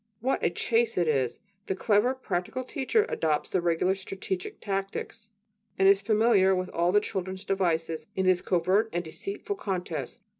What a chase it is! The clever, practical teacher adopts regular strategic tactics, and is familiar with all the child's devices in this covert and deceitful contest.